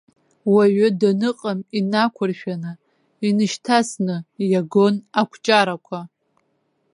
Уаҩы даныҟам инақәыршәаны, инышьҭасны иагон акәҷарақәа.